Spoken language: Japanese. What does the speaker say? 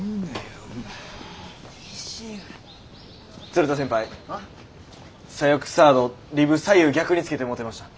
鶴田先輩左翼サードリブ左右逆につけてもうてました。